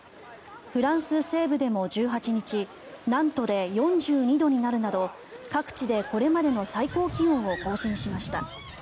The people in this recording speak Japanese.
フランス西部でも１８日ナントで４２度になるなど各地でこれまでの最高気温を更新しました。